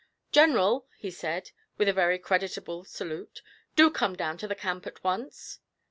'General,' he said, with a very creditable salute, 'do come down to the camp at once.'